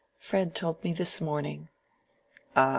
"Fred told me this morning." "Ah!